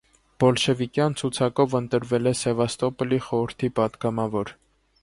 Բոլշևիկյան ցուցակով ընտրվել է Սևաստոպոլի խորհրդի պատգամավոր։